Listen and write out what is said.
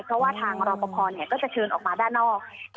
เพราะว่าทางรอปภก็จะเชิญออกมาด้านนอก